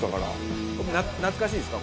懐かしいですか？